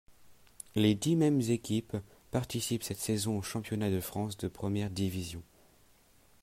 Les dix mêmes équipes participent cette saison au championnat de France de première division.